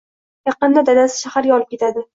Yaqinda dadasi shaharga olib ketadi.